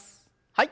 はい。